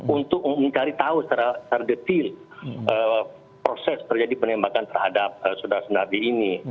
untuk mencari tahu secara terdetil proses terjadi penembakan terhadap saudara nabi ini